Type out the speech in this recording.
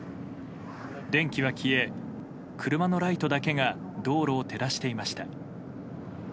電気は消え、車のライトだけが道路を照らしていました。